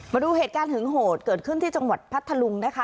มาดูเหตุการณ์หึงโหดเกิดขึ้นที่จังหวัดพัทธลุงนะคะ